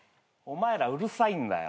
お前らうるさいんだよ。